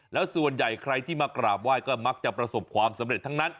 แล้วส่วนใหญ่ใครที่มากราบไหว้ก็มักจะประสบความสำเร็จทั้งนั้น